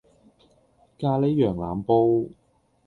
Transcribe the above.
咖喱羊腩煲